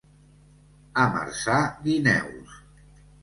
A Marçà, guineus.